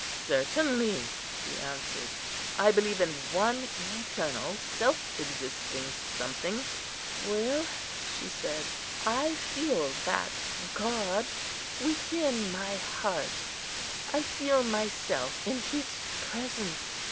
"Certainly," he answered; "I believe in one eternal, self existing something." "Well," she said, "I feel that God within my heart. I feel myself in His presence.